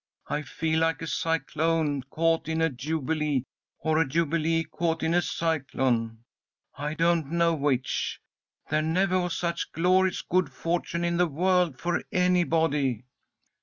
I feel like a cyclone caught in a jubilee, or a jubilee caught in a cyclone, I don't know which. There never was such glorious good fortune in the world for anybody!"